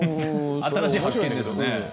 新しい発見ですね。